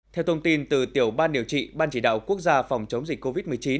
theo thông tin từ tiểu ban điều trị ban chỉ đạo quốc gia phòng chống dịch covid một mươi chín